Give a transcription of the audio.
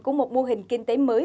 của một mô hình kinh tế mới